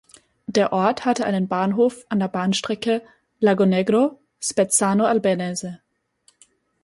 Der Ort hatte einen Bahnhof an der Bahnstrecke Lagonegro–Spezzano Albanese.